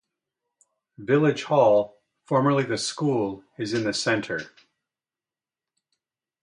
Village Hall, formerly the school, is in the centre.